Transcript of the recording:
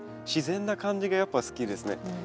自然な感じがやっぱ好きですね。